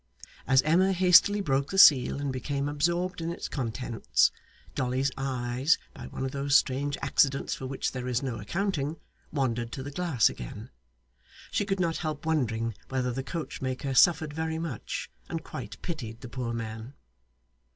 As Emma hastily broke the seal and became absorbed in its contents, Dolly's eyes, by one of those strange accidents for which there is no accounting, wandered to the glass again. She could not help wondering whether the coach maker suffered very much, and quite pitied the poor man.